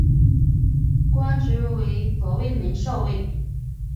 官职为左卫门少尉。